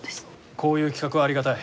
こういう企画はありがたい。